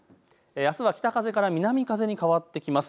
あすは北風から南風に変わってきます。